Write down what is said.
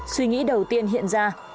suy nghĩ đầu tiên hiện ra